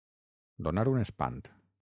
Donar un espant.